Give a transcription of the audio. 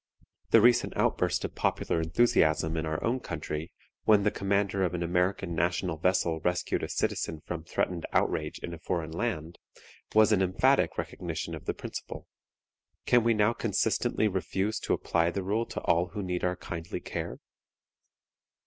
The recent outburst of popular enthusiasm in our own country when the commander of an American national vessel rescued a citizen from threatened outrage in a foreign land, was an emphatic recognition of the principle. Can we now consistently refuse to apply the rule to all who need our kindly care?